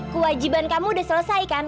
kewajiban kamu udah selesai kan